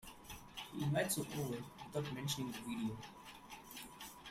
He invites her over without mentioning the video.